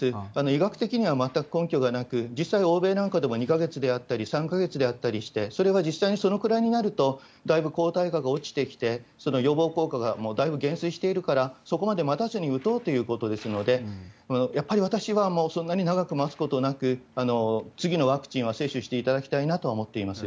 医学的には全く根拠がなく、実際、欧米なんかでも２か月であったり３か月であったりして、それが実際にそのくらいになると、だいぶ抗体価が落ちてきて、その予防効果がだいぶ減衰してるから、それを待たずに打とうということですので、やっぱり私はそんなに長く待つことなく、次のワクチンは接種していただきたいなとは思っています。